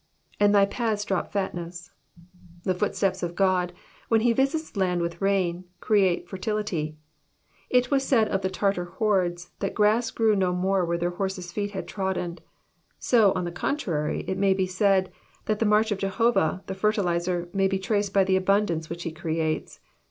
'^^And thy path$ dropfatneu.^^ The footsteps of God, when he visits the land with rain, create fertility. It was said of the Tartar hordes, that grass grew no more where their horses^ feet had trodden ; so, on the contrary, it may be said that the march of Jehovah, the Fertiliser, may be traced by the abundance which be creates.